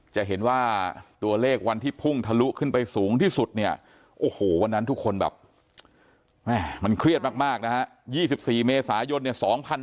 จะเห็นว่าตัวเลขวันที่พุ่งทะลุขึ้นไปสูงที่สุดเนี่ยโอ้โหวันนั้นทุกคนแบบมันเครียดมากนะฮะ๒๔เมษายนเนี่ย